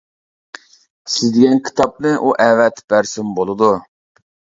سىز دېگەن كىتابنى ئۇ ئەۋەتىپ بەرسىمۇ بولىدۇ.